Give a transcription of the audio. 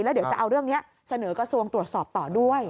แล้วเดี๋ยวจะเอาเรื่องนี้เสนอกระทรวงตรวจสอบต่อด้วย